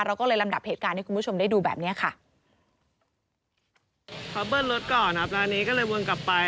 เราก็เลยลำดับเหตุการณ์ให้คุณผู้ชมได้ดูแบบนี้ค่ะ